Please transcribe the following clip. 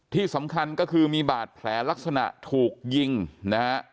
ที่สำคัญก็คือมีบาดแผลลักษณะถูกยิงนะฮะ